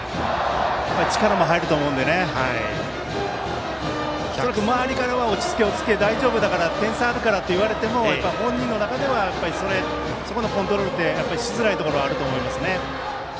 力も入ると思うので、周りからは落ち着け、大丈夫だから点差あるからと言われても本人の中ではそこのコントロールはしづらいところがあると思います。